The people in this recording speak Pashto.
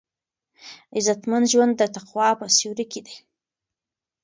عزتمن ژوند د تقوا په سیوري کې دی.